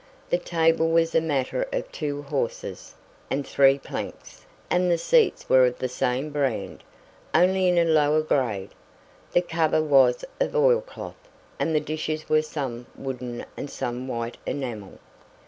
The table was a matter of two "horses" and three planks, and the seats were of the same brand, only in a lower grade. The cover was of oilcloth, and the dishes were some wooden and some white enamel.